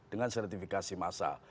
dengan sertifikasi masal